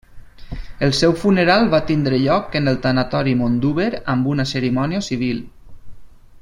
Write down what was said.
El seu funeral va tindre lloc en el tanatori Mondúber amb una cerimònia civil.